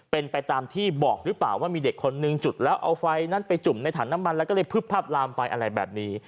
เป็นไปตามที่บอกหรือเปล่าว่ามีเด็กคนนึงจุดแล้วเอาไฟนั้นไปจุ่มในถังน้ำมันแล้วก็เลยพึบพับลามไปอะไรแบบนี้